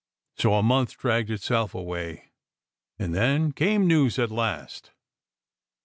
So a month dragged itself away, and then came news at last.